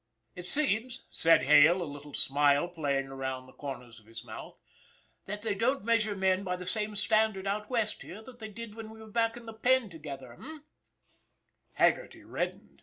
" It seems," said Hale, a little smile playing around the corners of his mouth, " that they don't measure men by the same standard out West here that they did when we were back on the Penn together, eh ?" Haggerty reddened.